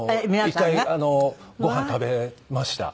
一回ご飯食べました。